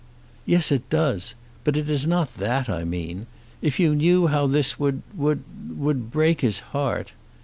"Yes, it does. But it is not that I mean. If you knew how this would, would, would break his heart."